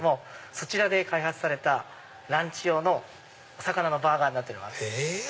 そちらで開発されたランチ用のお魚のバーガーになっております。